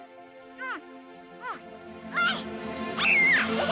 うん。